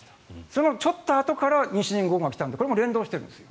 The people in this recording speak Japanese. そのちょっとあとから西日本豪雨が来たからこれも連動しているんです。